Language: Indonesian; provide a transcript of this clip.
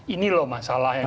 ini loh masalahnya